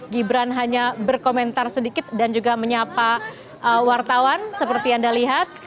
gibran hanya berkomentar sedikit dan juga menyapa wartawan seperti anda lihat